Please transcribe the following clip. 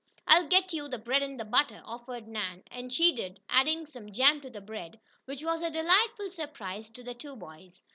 "I'll get you the bread and butter," offered Nan, and she did, adding some jam to the bread, which was a delightful surprise to the two boys.